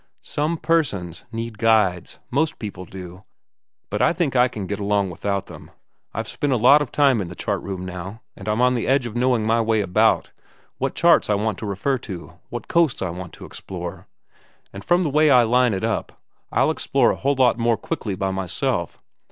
"Some persons need guides, most persons do; but I think I can get along without them. I've spent a lot of time in the chart room now, and I'm on the edge of knowing my way about, what charts I want to refer to, what coasts I want to explore. And from the way I line it up, I'll explore a whole lot more quickly by myself.